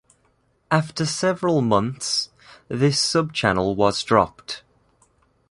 After several months, this subchannel was dropped.